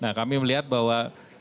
nah kami melihat bahwa